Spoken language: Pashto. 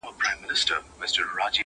له محفله یې بهر کړم د پیمان استازی راغی.!